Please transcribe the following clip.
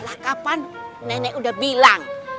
lah kapan nenek udah bilang